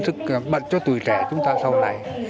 sức bận cho tuổi trẻ chúng ta sau này